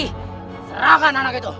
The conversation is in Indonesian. serahkan anak itu